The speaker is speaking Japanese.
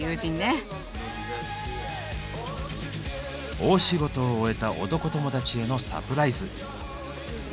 大仕事を終えた男友達へのサプライズ。